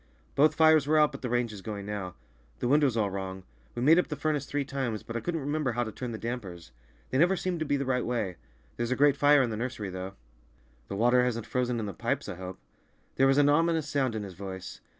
"Both fires were out, but the range is going now. The wind was all wrong. We made up the furnace three times, but I couldn't remember how to turn the dampers; they never seemed to be the right way. There's a grate fire in the nursery, though." "The water hasn't frozen in the pipes, I hope?" There was an ominous sound in his voice.